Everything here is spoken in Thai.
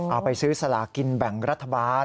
เอาไปซื้อสลากินแบ่งรัฐบาล